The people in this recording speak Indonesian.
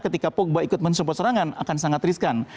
ketika pogba ikut mensupport serangan akan sangat riskan